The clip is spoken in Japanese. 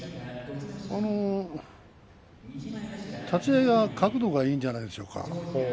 立ち合いの角度もいいんじゃないでしょうか。